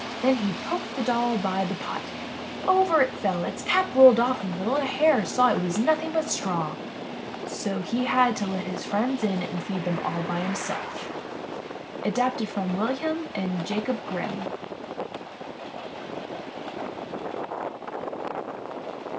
Then he poked the doll by the pot. Over it fell, its cap rolled off, and the little Hare saw it was nothing at all but straw! So he had to let his friends in and feed them all by himself. — Adapted from Wilhelm and Jacob Grimm.